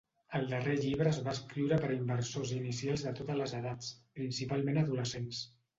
El darrer llibre es va escriure per a inversors inicials de totes les edats, principalment adolescents.